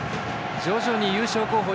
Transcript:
徐々に優勝候補